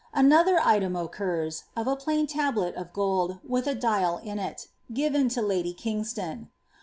Another item occurs, of a plain tablet of gold, with a dial in it, given to lady Kingston.